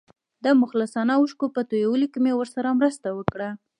د مخلصانه اوښکو په تویولو مې ورسره مرسته وکړه.